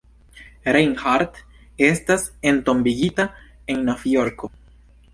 Reinhardt estas entombigita en Novjorko.